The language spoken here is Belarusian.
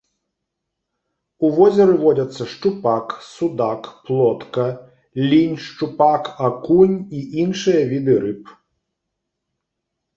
У возеры водзяцца шчупак, судак, плотка, лінь шчупак, акунь і іншыя віды рыб.